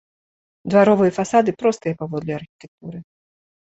Дваровыя фасады простыя паводле архітэктуры.